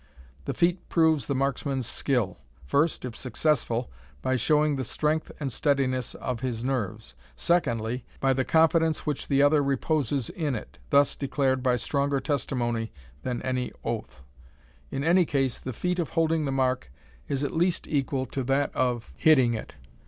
The feat proves the marksman's skill; first, if successful, by showing the strength and steadiness of his nerves; secondly, by the confidence which the other reposes in it, thus declared by stronger testimony than any oath. In any case the feat of holding the mark is at least equal to that of hitting it.